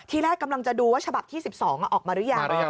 ทีแรกกำลังจะดูว่าฉบับที่๑๒ออกมาหรือยัง